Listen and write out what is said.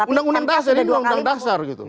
undang undang dasar ini undang undang dasar gitu